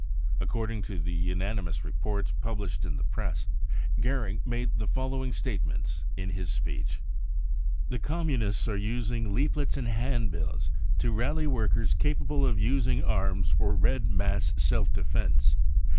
According to 4 he unanimous reports published in the press Goering made the following statements in his speech : u The Communists are using leaflets and handbills to rally workers capable of using arms for red mass self defence.